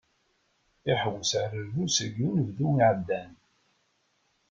Iḥewwes ar Rrus deg unebdu iɛeddan.